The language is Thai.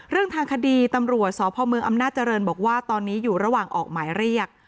เรื่องทางคดีตำรวจสพเมืองอำนาจเจริญบอกว่าตอนนี้อยู่ระหว่างออกหมายเรียก